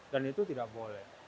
dan itu tidak boleh